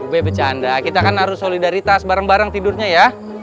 ube becanda kita kan harus solidaritas bareng bareng tidurnya ya